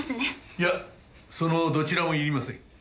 いやそのどちらもいりません。